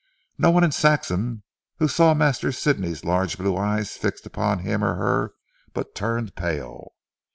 No one in Saxham who saw Master Sidney's large blue eyes fixed upon him or her but turned pale.